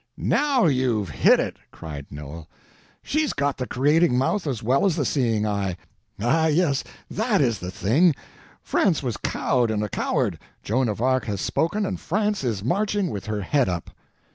"Now you've hit it!" cried Noel. "She's got the creating mouth as well as the seeing eye! Ah, yes, that is the thing. France was cowed and a coward; Joan of Arc has spoken, and France is marching, with her head up!"